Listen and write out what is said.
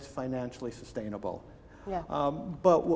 secara finansial berkelanjutan